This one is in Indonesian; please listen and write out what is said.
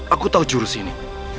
aku tahu jurus ini